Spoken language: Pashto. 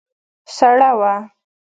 سړه وه.